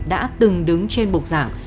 đã từng đứng trên bục giảng